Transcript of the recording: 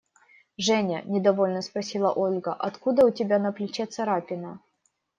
Женя, – недовольно спросила Ольга, – откуда у тебя на плече царапина?